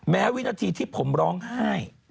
วินาทีที่ผมร้องไห้